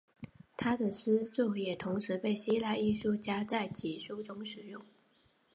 他的诗作也同时被希腊艺术家在其书中使用。